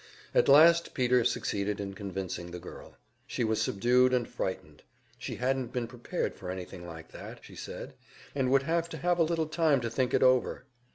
At last Peter succeeded in convincing the girl. She was subdued and frightened; she hadn't been prepared for anything like that, she said, and would have to have a little time to think it over.